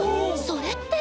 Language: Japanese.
それって。